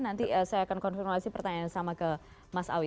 nanti saya akan konfirmasi pertanyaan yang sama ke mas awi